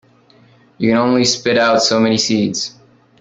You can only spit out so many seeds.